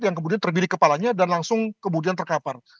yang kemudian tergiri kepalanya dan langsung kemudian terkapar